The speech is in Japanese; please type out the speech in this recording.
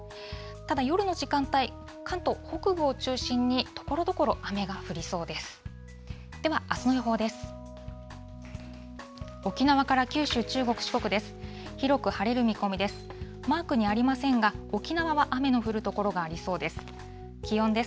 ただ、夜の時間帯、関東、北部を中心にところどころ雨が降りそうです。